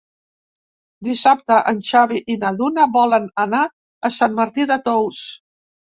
Dissabte en Xavi i na Duna volen anar a Sant Martí de Tous.